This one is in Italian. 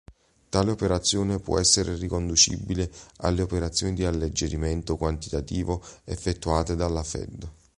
Tale operazione può essere riconducibile alle operazioni di alleggerimento quantitativo effettuate dalla Fed.